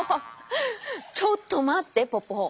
ちょっとまってポポ！